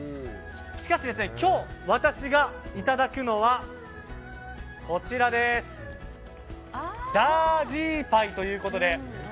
しかし今日、私がいただくのはダージーパイということで。